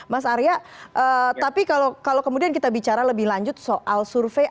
mas arya tapi kalau kemudian kita bicara lebih lanjut soal survei